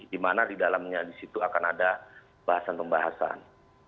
di mana di dalamnya disitu akan ada pembahasan pembahasan